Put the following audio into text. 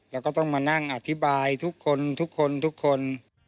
แล้วก็ต้องมานั่งอธิบายทุกคนทุกคนทุกคน